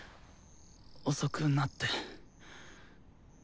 遅くなって。